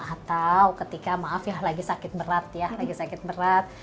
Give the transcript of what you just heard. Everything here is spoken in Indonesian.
atau ketika maaf ya lagi sakit berat ya lagi sakit berat